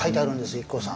ＩＫＫＯさん。